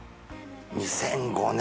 ２００５年